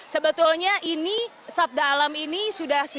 sebetulnya ini sabda alam ini sudah siap